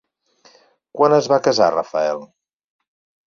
Quan es va casar Rafael?